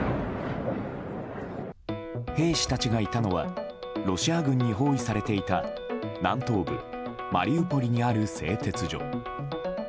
兵士たちがいたのはロシア軍に包囲されていた南東部マリウポリにある製鉄所。